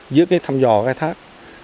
dưới cái thăm dò khai thác